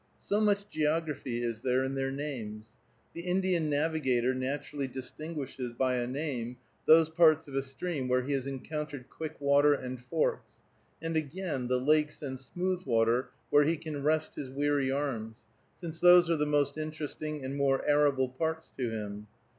So much geography is there in their names. The Indian navigator naturally distinguishes by a name those parts of a stream where he has encountered quick water and forks, and again, the lakes and smooth water where he can rest his weary arms, since those are the most interesting and more arable parts to him.